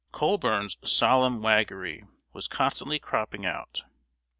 ] Colburn's solemn waggery was constantly cropping out.